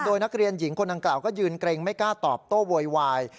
โดยนักเรียนหญิงคนดังกล่าวก็ยืนเกรงไม่กล้าตอบโต้โวยวาย